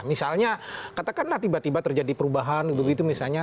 misalnya katakanlah tiba tiba terjadi perubahan gitu gitu misalnya